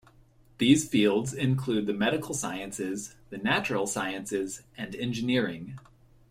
These fields include the medical sciences, the natural sciences, and engineering.